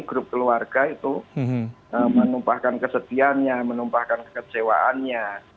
grup keluarga itu menumpahkan kesedihannya menumpahkan kekecewaannya